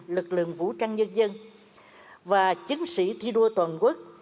lực lượng vũ trang nhân dân và chiến sĩ thi đua toàn quốc